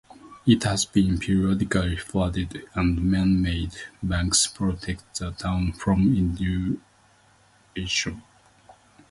It has been periodically flooded, and man-made banks protect the town from inundation.